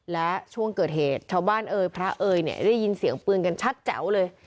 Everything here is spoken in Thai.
และช่วงเกิดเหตุชาวบ้านเอ่ยพระเอ๋ยเนี่ยได้ยินเสียงปืนกันชัดแจ๋วเลย